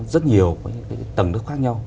rất nhiều tầng nước khác nhau